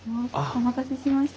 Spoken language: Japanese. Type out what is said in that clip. お待たせしました。